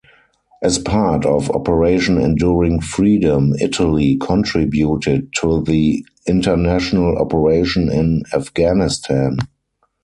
As part of Operation Enduring Freedom, Italy contributed to the international operation in Afghanistan.